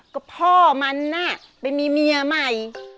ก็พ่อมันน่ะไปมีเมียใหม่